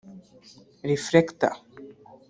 Reflector